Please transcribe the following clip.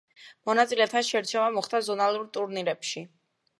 მონაწილეთა შერჩევა მოხდა ზონალურ ტურნირებში.